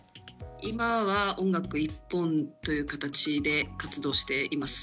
今は音楽一本という形で活動しています。